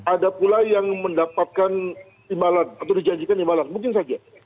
ada pula yang mendapatkan imbalan atau dijanjikan imbalan mungkin saja